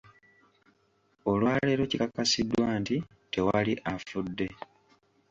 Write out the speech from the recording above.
Olwaleero kikakasiddwa nti, tewali afudde.